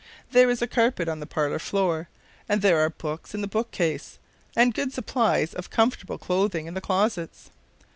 There is a carpet on the parlor floor, and there are books in the book case, and good supplies of comfortable clothing in the closets.